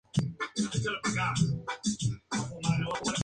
Su reconstrucción está proyectada.